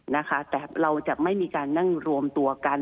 นะคะแต่เราจะไม่มีการนั่งรวมตัวกัน